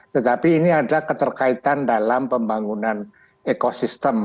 tetapi ini ada keterkaitan dalam pembangunan ekosistem